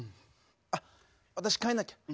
あ私帰んなきゃ。